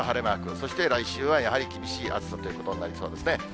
そして来週はやはり厳しい暑さということになりそうですね。